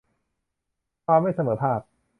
ความไม่เสมอภาค